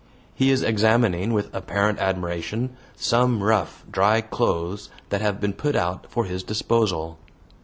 He is examining, with apparent admiration, some rough, dry clothes that have been put out for his disposal.